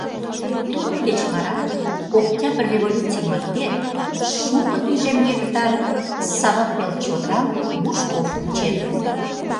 Тудын деч вара Октябрь революций марте шуко тӱжем гектар Савак вел чодырам Бушков кучен.